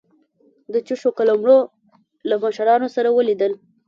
د چوشو قلمرو له مشرانو سره ولیدل.